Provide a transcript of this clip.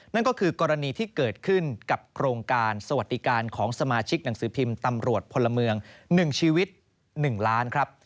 นั่นก็คือกรณีที่เกิดขึ้นกับโครงการสวัสดิการของสมาชิกหนังสือพิมพ์ตำรวจพลเมือง๑ชีวิต๑ล้านครับ